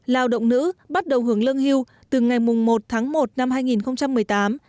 lao động nữ bắt đầu hưởng lương hưu từ ngày một tháng một năm hai nghìn một mươi tám